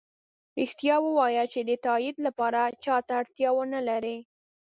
ریښتیا ؤوایه چې د تایید لپاره چا ته اړتیا ونه لری